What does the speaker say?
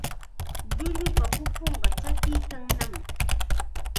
Llullupa pupunqa tsakiykannam.